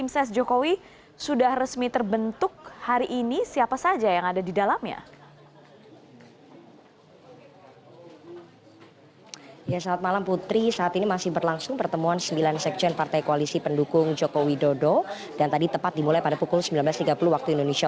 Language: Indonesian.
sehingga nanti seluruh komponen